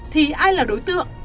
thì ai là đối tượng